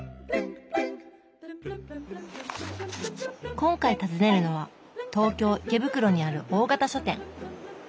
今回訪ねるのは東京・池袋にある大型書店。